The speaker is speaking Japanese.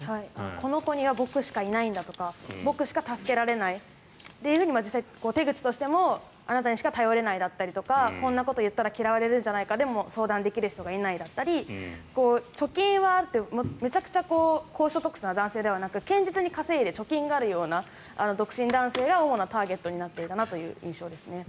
この子には僕しかいないんだとか僕しか助けられないと実際、手口としてもあなたにしか頼れないだとかこんなこと言ったら嫌われるんじゃないかでも相談できる人がいないだったり貯金はあるけどむちゃくちゃ高所得な男性じゃなく堅実に稼いで貯金があるような独身男性が主なターゲットになっていたという印象です。